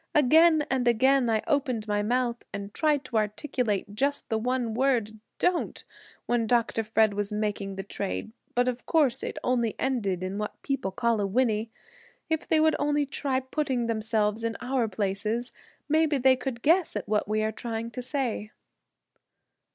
Again and again I opened my mouth and tried to articulate just the one word, 'Don't,' when Dr. Fred was making the trade, but of course, it only ended in what people call a whinny. If they would only try putting themselves in our places, maybe they could guess what we are trying to say."